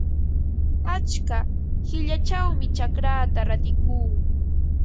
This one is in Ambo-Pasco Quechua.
Achka qillayćhawmi chacraata rantikuu.